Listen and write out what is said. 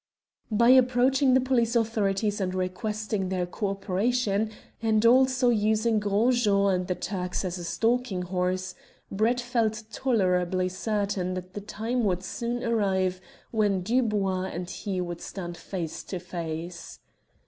By approaching the police authorities and requesting their co operation, and also using Gros Jean and the Turks as a stalking horse, Brett felt tolerably certain that the time would soon arrive when Dubois and he would stand face to face.